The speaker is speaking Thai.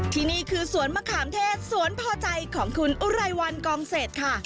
ที่นี่คือสวนมะขามเทศสวนพอใจของคุณอุไรวันกองเศษค่ะ